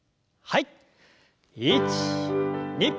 はい。